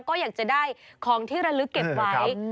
ก็อยากจะได้ของที่ระลึกเก็บไว้